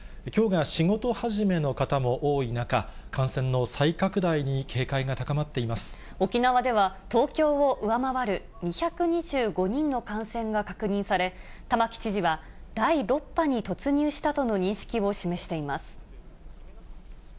きょうが仕事始めの方も多い中、感染の再拡大に警戒が高まってい沖縄では、東京を上回る２２５人の感染が確認され、玉城知事は、第６波に突入したとの認識を示しています。